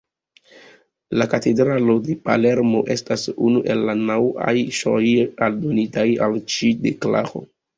La katedralo de Palermo estas unu el la naŭ aĵoj aldonitaj al ĉi deklaro.